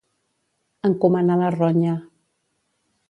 Encomanar la ronya.